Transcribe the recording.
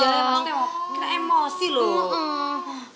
iya maksudnya emosi loh